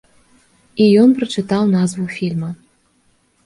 І ён прачытаў назву фільма.